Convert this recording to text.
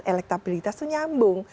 elektroabilitas itu nyambung